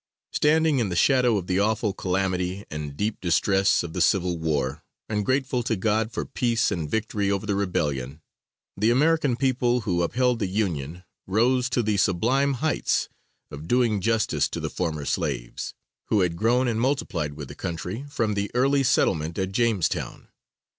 Standing in the shadow of the awful calamity and deep distress of the civil war, and grateful to God for peace and victory over the rebellion, the American people, who upheld the Union, rose to the sublime heights of doing justice to the former slaves, who had grown and multiplied with the country from the early settlement at Jamestown.